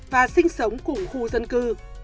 và sinh sống cùng khu dân cư